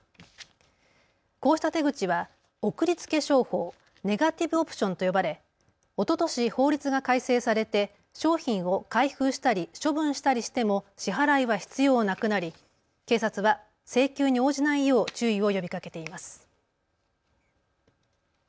こうした手口は送りつけ商法・ネガティブ・オプションと呼ばれおととし法律が改正されて商品を開封したり処分したりしても支払いは必要なくなり警察は請求に応じないよう注意を呼びかけています。